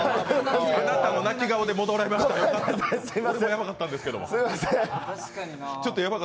あなたの泣き顔で戻りました、俺もヤバかったんですけど。